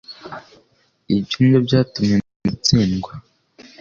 Ibyo nibyo byatumye Nduga itsindwa